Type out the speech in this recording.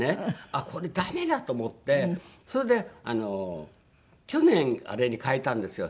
あっこれダメだと思ってそれで去年あれに替えたんですよ